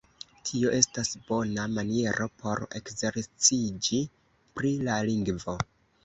Tio estas bona maniero por ekzerciĝi pri la lingvo.